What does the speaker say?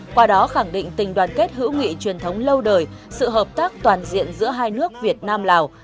qua đó khẳng định tình đoàn kết hữu nghị truyền thống lâu đời sự hợp tác toàn diện giữa hai nước việt nam lào